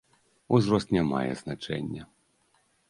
Узрост не мае значэння.